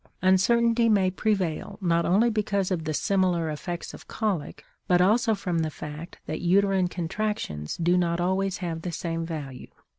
Uncertainty may prevail not only because of the similar effects of colic, but also from the fact that uterine contractions do not always have the same value.